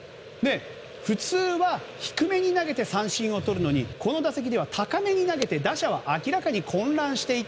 普通は低めに投げて三振をとるのに、この打席には高めに出して打者は明らかに混乱していた。